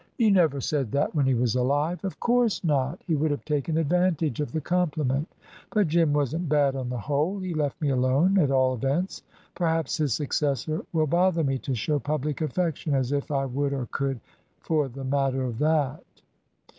"You never said that when he was alive." "Of course not: he would have taken advantage of the compliment. But Jim wasn't bad on the whole. He left me alone, at all events. Perhaps his successor will bother me to show public affection: as if I would or could, for the matter of that."